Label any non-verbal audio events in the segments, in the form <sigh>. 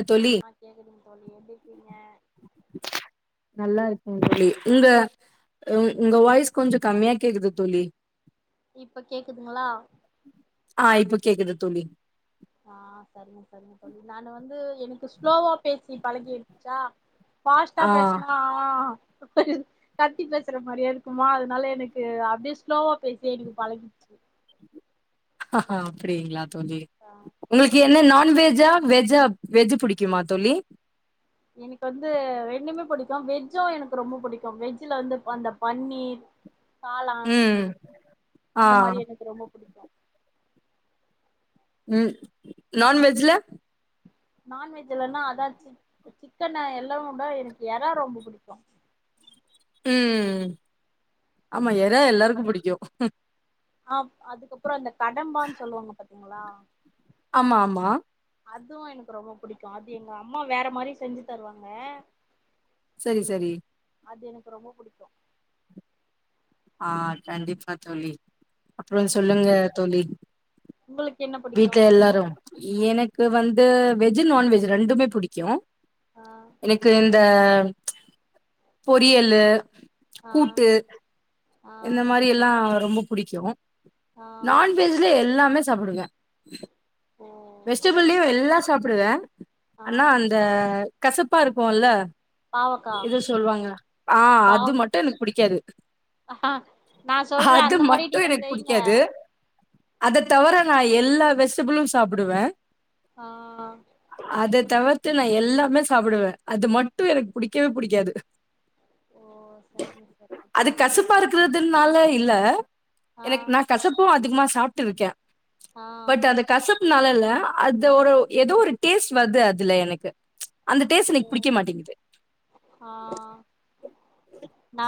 அ தோழி ஆ கேக்குதுங் தோழி எப்டிருக்கிங்க நல்லா இருக்கே தோழி உங்க அ உங்க வாய்ஸ் கொஞ்சொ கம்மியா கேக்குது தோழி இப்ப கேக்குதுங்ளா ஆ இப்ப கேக்குது தோழி ஆ சரிங்க சரிங்க தோழி நானு வந்து எனக்கு ஸ்லோவா பேசி பழகிடுச்சா பாஸ்டா ஆ பேசுனா கத்தி பேசுற மாரியே இருக்குமா அதனால எனக்கு அப்டியே ஸ்லோவா பேசியே எனக்கு பழகிச்சு அப்டிங்ளா தோழி ஆ உங்களுக்கு எ ன்ன நான்வெஜ்ஜா வெஜ்ஜா வெஜ்ஜு புடிக்குமா தோழி எனக்கு வந்து ரெண்டுமே புடிக்கு வெஜ்ஜு எனக்கு ரொம்ப புடிக்கும் வெஜ்ஜல வந்து அந்த பன்னீர் காளான் ம் ஆ அந்த மாரி எனக்கு ரொம்போ புடிக்கு ம் நான்வெஜ்ல நான்வெஜ் இல்லன்னா அதா சி சிக்கனு எல்லாவ்வுட எனக்கு எற ரொம்போ புடிக்கு ம் ஆமா ம் எற எல்லாருக்கு புடிக்கு அ அதுக்கப்றோ அந்த கடம்பான் சொல்லுவாங்க பாத்தீங்களா ஆமா ஆமா அதுவு எனக்கு ரொம்போ புடிக்கு அது எங்க அம்மா வேற மாரி செஞ்சி தருவாங்க செரி செரி அது எனக்கு ரொம்போ புடிக்கு ஆ கண்டிப்பா தோழி அப்றோ ம் சொல்லுங்க தோழி உங்களுக்கு என்ன புடிக்கு வீட்ல எல்லாரும் எனக்கு வந்து வெஜ் நான்வெஜ் ரெண்டுமே புடிக்கு ஆ எனக்கு இந்த பொரியல்லு ஆ கூட்டு ஆ இந்த மாரி எல்லா ரொம்போ புடிக்கு ஆ நான்வெஜ்ல எல்லாமே சாப்பிடுவே ஓ சரி வெஜிடபிள்லையு எல்லா சாப்படுவே ஆ ஆனா அந்த கசப்பா இருக்குல்ல பாவக்கா எதோ சொல்லுவாங்க ஆ அது பாவ் மட்டு எனக்கு புடிக்காது நா சொல்றே அது அந்த மாரி மட்டு நீங்க எனக்கு செய்ங்க புடிக்காது அத தவிர நா எல்லா வெஜிடபிளும் சாப்பிடுவே ஆ அத தவிர் த்து நா எல்லாமே சாப்புடுவே அது மட்டு எனக்கு புடிக்கவே புடிக்காது ஓ சரிங்க சா அது கசப்பா இருக்கிறதுனால இல்ல ஆ எனக் நா கசப்பு அதிகமா சாப்ட்டுருக்கே ஆ பட் அது கசப்னால இல்ல அது ஒரு எதோ ஒரு டேஸ்ட் வர்த்து அதுல எனக்கு அந்த டேஸ்ட் எனக் புடிக்கமாட்டிங்கிது ஆ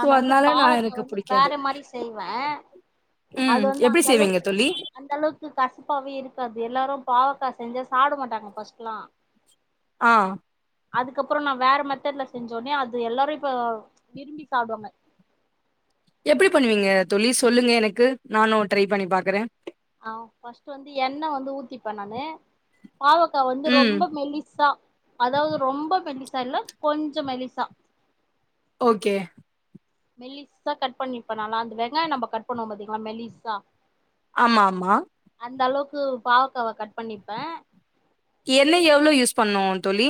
சோ வந்து அதனால நா பாவக்க எனக்கு வந்து புடிக்காது வேற மாரி செய்வே ம் அது வந்து எப்டி செய்வீங்க அந்தளவுக்கு தோழி அந்தளவுக் கு கசப்பாவே இருக்காது எல்லாரு பாவக்க் செஞ்சா சாப்ட மாட்டாங்க ஃபஸ்ட்லா ஆ அதுக்கப்றோ நா வேற மெத்தட்ல செஞ்சோனே அது எல்லாரு இப்ப விரும்பி சாப்டுவாங்க எப்டி பண்ணுவீங்க தோழி சொல்லுங்க எனக்கு நானு ட்ரை பண்ணி பாக்கறே ஆ பஸ்ட்டு வந்து எண்ண வந்து ஊத்திப்பே நானு பாவக்கா வந்து ம் ரொம்ப மெலிசா அதாவ்து ரொம்போ மெலிசா இல்ல கொஞ்ச மெலிசா ஒகே மெல்லிசா கட் பண்ணிப்பே நாலா அந்த வெங்காயோ நம்ப கட் பண்ணுவோ பாத்திங்ளா மெல்லிசா ஆமாமா அந்தளவுக்கு பாவக்காவ கட் பண்ணிப்பேன் எள்ளு எவ்ளோ யூஸ் பண்ணும் தோழி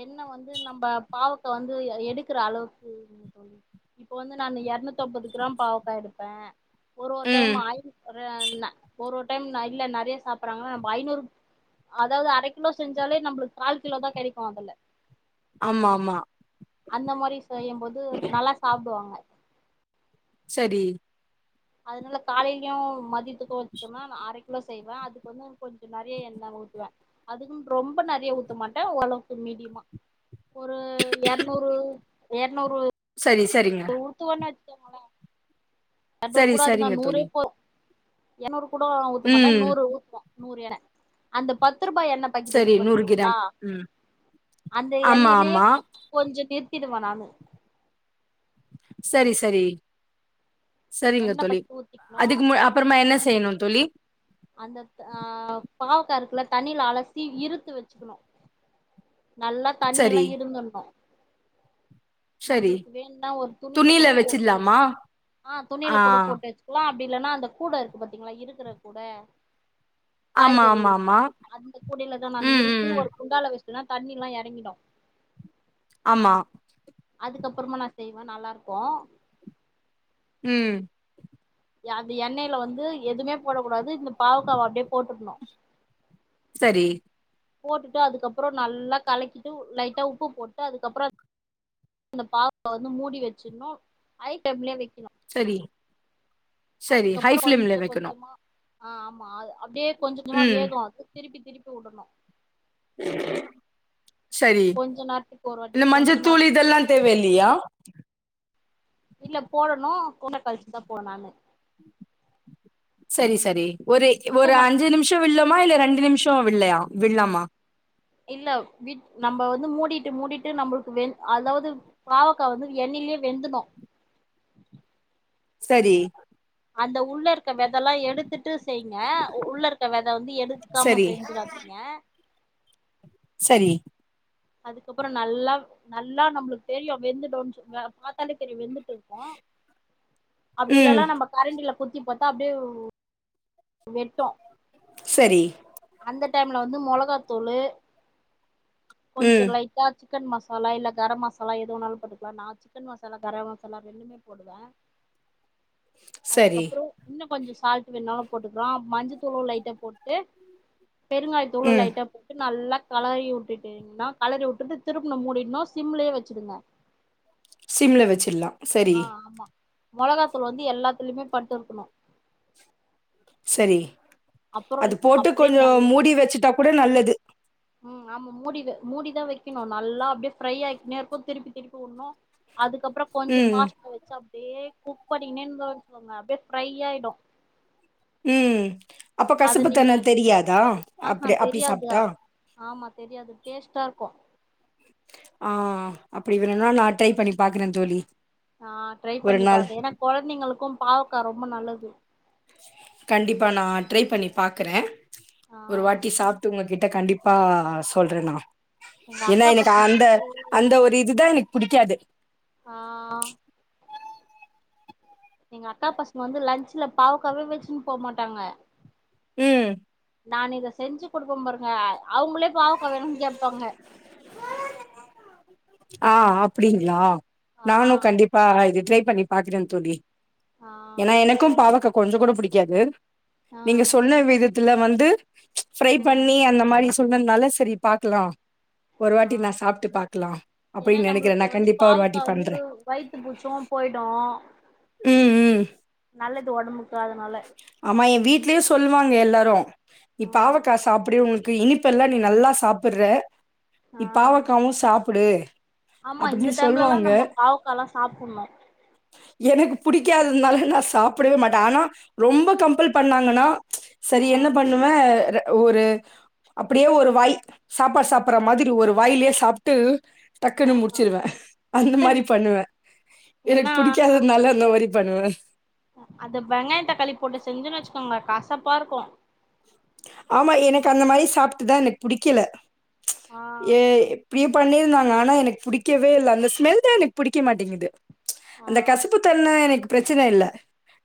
எண்ண வந்து நம்ப பாவக்கா வந்து எடுக்குற அளவுக்கு இப்ப வந்து நானு எர்நூத்தம்பது கிராம் பாவக்கா எடுப்ப ஒரு ஒரு டைம் ம் ஆ ந ஒரு ஒரு டைம் இல்ல நறைய சாப்றாங்ன்னா நம்ம ஐநூறு அதாவது அரை கிலோ செஞ்சாலே நம்புளுக்கு கால் கிலோதா கெடைக்கும் அதுல ஆமாமா அந்த மாரி செய்யும்போது நல்லா சாப்டுவாங்க சரி அதனால காலையிலயும் மதியத்துக்கும் வச்சுகர்ன நா அர கிலோ செய்வே அதுப் போக இன்னு கொஞ்ச நறைய எண்ண ஊத்துவேன் அதுக்குனு ரொம்ப நறைய ஊத்த மாட்டே ஓரளவுக்கு மீடியமா ஒரு எரநூறு எரநூறு சரி சரிங்க உத்துவோணு வச்சக்கோங்கள எர்னூறு சரி கூட சரிங்க அதிகம் நூறே தோழி போ எரணூறு கூட ஊத்த மாட்ட ம் நூறு ஊத்துவ நூறு என்ணெஅந்த பத்து ரூபா என்ணெ சரி பைக்கட்டு நூறு கிராம் ம் <unintelligible> அந்த ஆமா எண்ணெயிலயே ஆமா கொஞ்சோ நேர்த்திடுவே நாங்க சரி சரி சரிங்க எண்ணெ தோழி ஃபஸ்ட்டு ஊத்திக்கணு அதுக்கு மு அப் பறமா என்ன செய்யணு தோழி அந்த ஆ பாவக்காருக்குல தண்ணில அலசி இறுத்து வச்சுக்கணு நல்லா தண்ணியல்லா சரி இருந்துர்ணும் சரி நம்பளுக்கு வேணுனா ஒரு துணில கூட போட்டு ஆ துணியில கூட போட்டுச் லா அப்டி இல்லன்னா அந்த கூட இருக்கு பாத்தீங்களா இருக்குற கூட ஆமா காய்கறி ஆமா ஆமா அந்த கூடைலதா நா ம் ம் இருத்து ம் ஒரு குண்டால வச்டோனா தண்ணில்லா எறங்கிடும் ஆமா அதுக்கப்பறமா நா செய்வ நல்லா இருக்கும் ம் யா அந்த எண்ணெல வந்து எதுமே போடகூடாது இந்த பாவக்காவ அப்டியே போட்டுக்ணு சரி போட்டுட்டு அதுக்கப்றோம் நல்லா கலக்கிட்டு லைட்டா உப்பு போட்டு அதுக்கப்ற அந்த பாவகாவ வந்து மூடி வச்சுணும் ஐட்டம்லே வைக்ணு சரி சரி ஹை அதுக்கப்புறோ ஃபிளிம்ல கொஞ்ச வைக்கணு கொஞ்சமா ஆ ஆமா அ அப்டியே கொஞ்ச கொஞ்சமா ம். வேகும் அது திருப்பி திருப்பி வுடணும் சரி கொஞ்ச நேரத்துக்கு ஒரு வாட்டி இந்த கொஞ்ச மஞ்சத்தூள் நேரத்துக்கு ஒரு இதெல்லா வாட்டி தேவ இல்லியா இல்ல போடணு கொன கழச்சி தா போவ நானு சரி சரி ஒரு உப்பு ஒரு மட் அஞ்சு நிம்ஷோம் வில்லமா இல்ல ரெண்டு நிமிஷம் வில்லயா வில்லாமா இல்ல விட் நம்ம வந்து மூடிட்டு மூடிட்டு நம்மளுக்கு வெண் அதாது பாவக்கா வந்து எண்ணெயிலே வெந்துனும் சரி அந்த உள்ளருக்க வெதல்லாம் எடுத்துட்டு செய்ங்க உள்ளருக்க வெத வந்து எடுக்காம சரி, செஞ்சுராதிங் ங்ய சரி அதுக்கப்புறோ நல்லா நல்லா நம்ளுக்கு தெரியும் வெந்துடும் சொல் பாத்தாலே தெரியு வெந்துட்டு கோ அப்டி ம். இல்லல்லா நம்ப கரண்டில குத்தி போட்டா அப்டியே வெட்டோ சரி அந்த டைம்ல வந்து மொளகாத்தூளு கொஞ்சோ ம். லைட்டா சிக்கன் மசாலா இல்ல கரம் மசாலா எது வேணாலு போட்டுக்கலாம் நா சிக்கன் மசாலா கரம் மசாலா ரெண்டுமே போடுவ சரி. அதுக்கப்றோ இன்னோ கொஞ்சோ சால்ட்டு வேண்ணாலு போட்டுக்கலா மஞ்சத்தூளும் லைட்டா போட்டு பெருங்காய தூளு ம். லைட்டா போட் டு நல்லா கலாயி உட்டுட்டீங்ன்னா கலறி உட்டுட்டு திரும்ப மூடினும் சிம்லே வச்சுடுங்க சிம்ல வெச்சிலா ஆ ஆமா மொளகாத்தூளு வந்து எல்லாத்துலமே பட்டுருக்குணும் சரி அப்றோ அது போட்டு அப்டியே கொஞ்சோ நல் மூடி வச்சுட்டா கூட நல்லது ம் ஆமா மூடி வெ மூடி தா வெக்குனோ நல்லா அப்டியே ஃப்ரை ஆய்க்கினேருக்கு திருப்பி திருப்பி உன்னோ அதுக்கப்றோ கொஞ்சோ ம், ஃபாஸ்ட்ல வச்சு அப்டியே குக் பண்ணினேன் வச்கோங்க அப்டியே ஃப்ரை ஆயிடும் ம் அப்ப அத நீங்க கசப்புத்தன்ம தெரியாதா ஆஹா அப்டி அப்டி தெரியாது சாப்ட்டா ஆமா தெரியாது டேஸ்ட்டா இருக்கோ ஆ அப்டி வேணுன்னா நா ட்ரை பண்ணி பாக்குற தோழி ஆ ட்ரை ஒரு பண்ணி நாள் பாருங்க ஏன்னா கொழந்தைங்களுக்கும் பாவக்கா ரொம்ப நல்லது கண்டிப்பா நா ட்ரை பண்ணி பாக்குற ஆ ஒரு வாட்டி சாப்ட்டு உங்ககிட்ட கண்டிப் பா சொல்ற நா எங்க ஏன்னா அக்கா எனக்கு பசங்க வந்து அந்த ஒரு இதுதா எனக்கு புடிக்காது ஆ எங்க அக்கா பசங்க வந்து லன்ச்ல பாவக்காவே வச்சுன் போ மாட்டாங்க ம் நான் இத செஞ்சு குடுப்ப பாருங்க அவுங்ளே பாவக்கா வேணுன் கேப்பாங்க ஆ அப்டிங்ளா நானு ஆ கண்டிப்பா இது ட்ரை பண்ணி பாக்குற தோழி ஆ ஏன்னா எனக்கும் பாவக்கா கொஞ்சோ கூட புடிக்காது ஆ நீங்க சொன்ன விதத் த்துல வந்து ஃப்ரை ம் பண்ணி அந்த மாரி சொன்னதுனால சரி பாக்லா ஒரு ஆ வாட்டி நா சாப்ட்டு பாக்லா ஏன்னா நம்ளுக்கு வந்து பாவக்கா வந்து வயித்து பூச்சும் போய்டோ ம் ம் நல்லது ஒடம்புக்கு அதனால ஆமா என் வீட்லயே சொல்வாங்க எல்லாரும் நீ ம் பாவக்கா சாப்டு உன் க்கு இனிப்பெல்லா நீ நல்லா சாப்புர்ற நீ ஆ பாவக்காவு சாப்புடு ஆமா இந்த டைம்லலா நம்போ பாவக்காலா சாப்புன்னோ எனக்கு புடிக்காதுனால நா சாப்புடவே மாட்ட ஆனா ரொம்ப கம்ப்பல் பண்ணாங்கனா ஆ சரி என்ன பண்ணுவ ஒரு அப்டியே ஒரு வாய் சாப்பாடு சாப்புர்ற மாதிரி ஒரு வாய்லியே சாப்ட்டு டக்குன்னு ஆஹா முடிச்சுருவ அந்த மாரி பண்ணுவ எனக்கு ஏன்னா புடிக்காதுனால அந்த மாரி பண்வ அத வெங்காயோ தக்காளி போட்டு செஞ்சோன் வச்சுக்கோங்க கசப்பாருக்கும் ஆமா எனக்கு அந்த மாரி சாப்ட்டுதா எனக்கு புடிக்கல ஆ ஏ வீட்லயே பண்ணிருந்தாங்க ஆனா எனக்கு புடிக்கவே இல்ல அந்த ஸ்மெல் தா எனக்கு புடிக்க மாட்டிங்குது ஆ அந்த கசப்பு தன்ம எனக்கு பிரச்சன இல்ல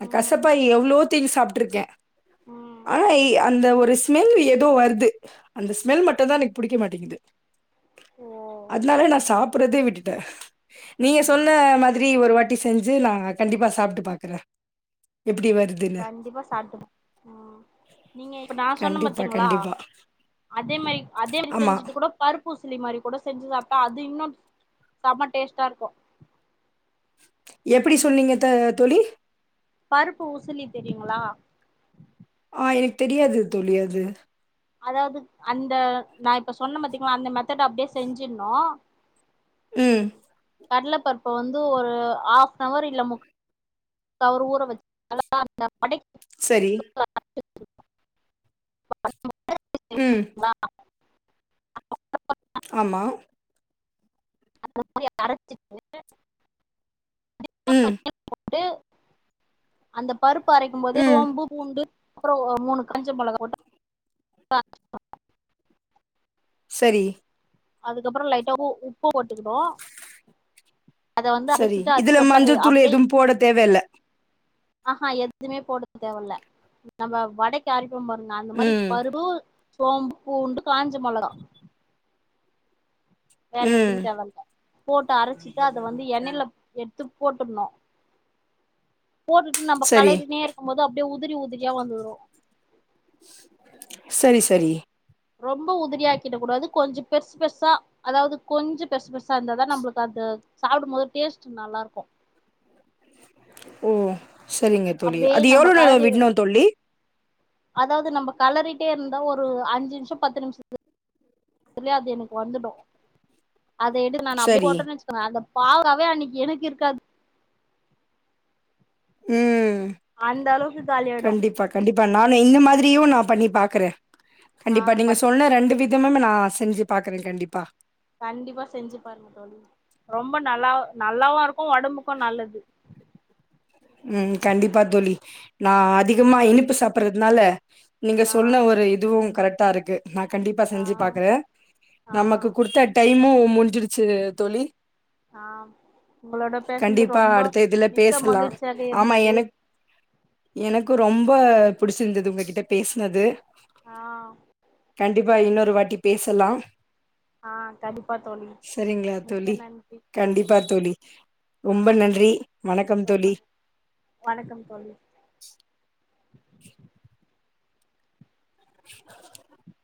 நா ம் கசப்பா எவ்ளோ தீனி சாப்ட்ருக்க ம் அ இய் அ அந்த ஒரு ஸ்மெல் ஏதோ வருது அந்த ஸ்மெல் மட்டுதா எனக்கு பிடிக்க மாட்டேங்குது ஓ அதுனால நா சாப்படுறதே விட்டுட்டே நீங்க ஓ சொன்ன மாதிரி ஒரு வாட்டி செஞ்சு நா கண்டிப்பா சாப்ட்டு பாக்குறே எப்பிடி வருது கண்டிப்பா சாப்பிடுங்க உம் நீங்க இப்போ நா சொன்னே கண்டிப்பா, பாத்தீங்களா கண்டிப்பா. அதே மாரி அதே மாரி ஆமா. செஞ்சுட்டு கூட பருப்பூசிலி மாரி கூட செஞ்சு சாப்பிட்டா அது இன்னு செம டேஸ்ட்டா இருக்கு எப்படி சொன்னீங்க த தோழி பருப்பு உசிலி தெரியுங்களா ஆ எனக்கு தெரியாது தோழி அது அதாவது அந்த நா இப்ப சொன்ன பாத்தீங்காள அந்த மெத்தட் அப்படியே செஞ்சிருனு உம் கடல பருப்ப வந்து ஒரு ஆப்ன்னவர் இல்ல முக் சவரு ஊற வச்சு அத படை சரி ஆ உம் ஆமா அ அரைச்சிட்டு ம் கொண்டு அந்தப் பருப்பு அரைக்கும் போது ம். சோம்பு பூண்டு அப்புறோ மூணு காஞ்ச மெளகா போட்டு சரி அதுக்கப்புறோ லைட்டா உப் உப்பு போட்டுக்கனு அத வந்து சரி. அரைச்சிட்டு இதுல அதுக்கப்புறோ அத மஞ்சள் தூள் அப்படியே எதுவும் போட தேவையில்ல. ஆ ஆ எதுமே போட தேவலே நம்ம வடைக்கு அரைப்போ பாருங்க அந்த மாரி ம். பருப்பு சோம்பு பூண்டு காஞ்சி மொளகா வேற எதுமே ம். தேவெல்ல போட்டு அரைச்சிட்டு அத வந்து எண்ணெயில எடுத்து போட்டுடணு போட்டுட்டு நம்ம சரி. கெளரினே இருக்கு போது அப்படியே உதிரி உதிரியா வந்துரு சரி சரி ரொம்போ உதிரியாக்கிட கூடாது கொஞ்சோ பெருசு பெருசா அதாவது கொஞ்சு பெருசு பெருசா இருந்தாதா நம்பளுக்கு அது சாப்பிடும் போது டேஸ்ட் நல்லா இருக்கு ஓ சரிங்க தோழி அப்படியே அது நம்ம எவ்வளவு நேரோ கலறி விடுணு தோலி அதாவது நம்ம கலறிட்டே இருந்தா ஒரு அஞ்சு நிமிஷோ பத்து நிமிஷோ சரியா அது எனக்கு வந்துடு அத எடுத்து நா அப்படியே சரி. போட்டேன்னு வெச்சுக்கோன்க அந்த பாவக்காவே அன்னைக்கு எனக்கு இருக்காது ம் அந்த அளவுக்கு காளியாயிடு கண்டிப்பா, கண்டிப்பா நானு இந்த மாதிரியு நா பண்ணி பாக்குறே ஆ கண்டிப்பா நீங்க பண்ணி சொன்ன ரெண்டு வி இதுவுமே நா செஞ்சு பாக்குறே கண்டிப்பா கண்டிப்பா செஞ்சு பாருங்க தோழி ரொம்ப நல்லா நல்லாவா இருக்கு ஒடம்புக்கு நல்லது உம் கண்டிப்பா தோலி நா அதிகமா இனிப்பு சாப் புறதுனால நீங்க ஆ சொன்ன ஒரு இதுவு கரெக்டா இருக்கு நா கண்டிப்பா செஞ்சு பாக்குறே ஆ நமக்கு ஆ குடுத்த டைமு முடிஞ்சிடுச்சு தோழி ஆ உங்களோட பேசுனது கண்டிப்பா ரொம்ப அடுத்த இதுல மிக்க பேசலாம். மகிழ்ச்சியாக இருந்தது எனக்கு ரொம்ப பிடிச்சிருந்தது உங்ககிட்ட பேசினது ஆ கண்டிப்பா இன்னொரு வாட்டி பேசலா ஆ கண்டிப்பா தோழி செரிங்ளா மிக்க தோழி நன்றி கண்டிப்பா தோழி ஆ ரொம்ப நன்றி வணக்கம் ரொம்ப தோழி நன்றி வணக்கம் தோழி <inaudible> <inaudible>